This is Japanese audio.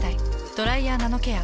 「ドライヤーナノケア」。